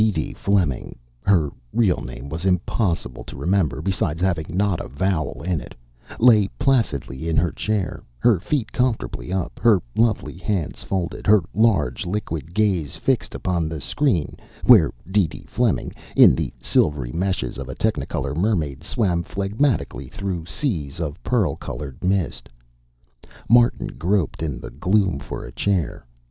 DeeDee Fleming (her real name was impossible to remember, besides having not a vowel in it) lay placidly in her chair, her feet comfortably up, her lovely hands folded, her large, liquid gaze fixed upon the screen where DeeDee Fleming, in the silvery meshes of a technicolor mermaid, swam phlegmatically through seas of pearl colored mist. Martin groped in the gloom for a chair.